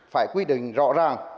phải quy định rõ ràng